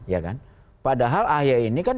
ya kan padahal ahy ini kan